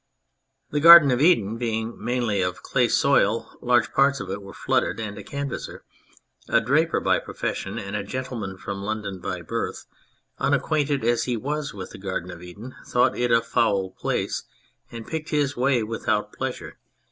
The Garden of Eden being mainly of a clay soil, large parts of it were flooded, and a Canvasser (a draper by profession and a Gentleman from London by birth), unacquainted as he was with the Garden of Eden, thought it a foul place, and picked his way without pleasure.